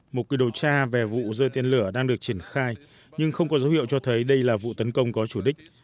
một quy đồ tra về vụ rơi tên lửa đang được triển khai nhưng không có dấu hiệu cho thấy đây là vụ tấn công có chủ đích